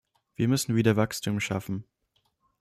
Wir müssen wieder Wachstum schaffen.